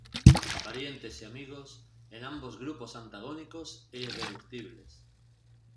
Parientes y amigos en ambos grupos antagónicos e irreductibles.